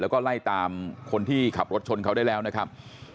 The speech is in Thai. แล้วก็ไล่ตามคนที่ขับรถชนเขาได้แล้วนะครับ